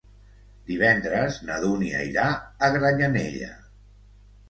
Divendres na Dúnia irà a Granyanella.